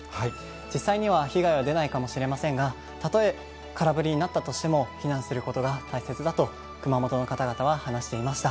実際には被害は出ないかもしれませんが、たとえ空振りになったとしても、避難することが大切だと、熊本の方々は話していました。